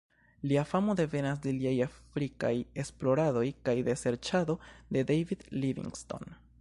Lia famo devenas de liaj afrikaj esploradoj kaj de serĉado de David Livingstone.